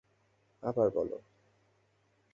আবার বলো।